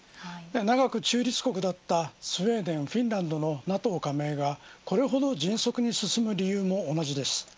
長く中立国だったスウェーデン、フィンランドのＮＡＴＯ加盟がこれほど迅速に進む理由も同じです。